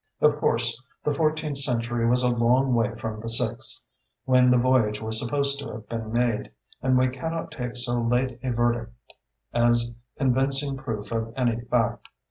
Of course the fourteenth century was a long way from the sixth, when the voyage was supposed to have been made, and we cannot take so late a verdict as convincing proof of any fact.